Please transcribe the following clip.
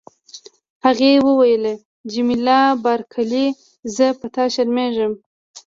هغې وویل: جميله بارکلي، زه په تا شرمیږم.